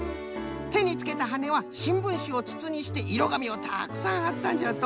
てにつけたはねはしんぶんしをつつにしていろがみをたくさんはったんじゃと。